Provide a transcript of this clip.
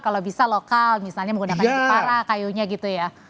kalau bisa lokal misalnya menggunakan jepara kayunya gitu ya